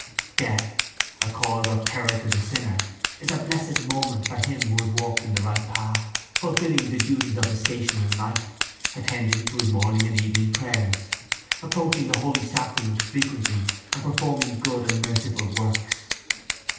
Death, a cause of terror to the sinner, is a blessed moment for him who has walked in the right path, fulfilling the duties of his station in life, attending to his morning and evening prayers, approaching the holy sacrament frequently and performing good and merciful works.